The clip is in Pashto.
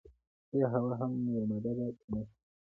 ایا هوا هم یوه ماده ده که نه.